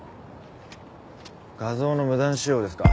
画像の無断使用ですか。